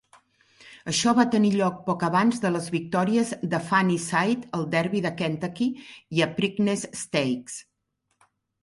Això va tenir lloc poc abans de les victòries de Funny Cide al Derbi de Kentucky i a Preakness Stakes.